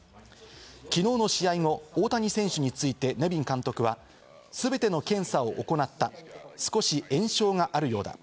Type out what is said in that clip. きのうの試合後、大谷選手についてネビン監督は全ての検査を行った、少し炎症があるようだ。